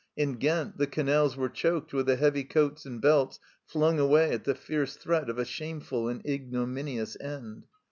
In Ghent the canals were choked with the heavy coats and belts flung away at the fierce threat of a shameful and ignominious end.